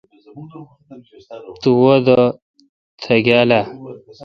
تو وادہ تیاگال اہ؟